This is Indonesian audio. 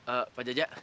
eh pak jajak